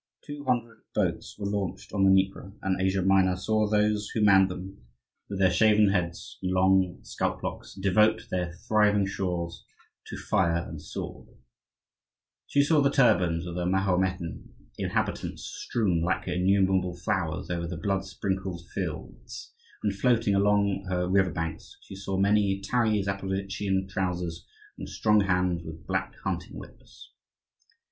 Two hundred boats were launched on the Dnieper, and Asia Minor saw those who manned them, with their shaven heads and long scalp locks, devote her thriving shores to fire and sword; she saw the turbans of her Mahometan inhabitants strewn, like her innumerable flowers, over the blood sprinkled fields, and floating along her river banks; she saw many tarry Zaporozhian trousers, and strong hands with black hunting whips.